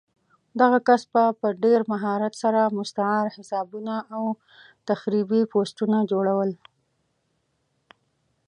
دغه کس به په ډېر مهارت سره مستعار حسابونه او تخریبي پوسټونه جوړول